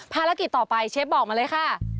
ภารกิจต่อไปเชฟบอกมาเลยค่ะ